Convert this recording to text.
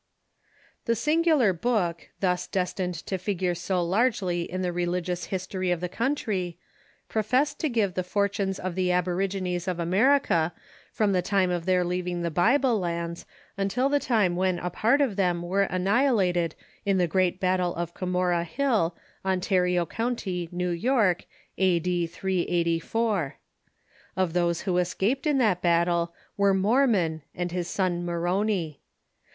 The singular book, thus destined to figure so largely in the religious historj^of the country, professed to give the fortunes of the aborigines of America from the time of ^*'m„'!,!!!"°* their leaving the Bible lands until the time .when Mormon *^ a part of them were annihilated in the great battle of Curaorah Hill, Ontario County, New York, a.d. 384. Of those who escaped in that battle were Mormon and his son Moroni.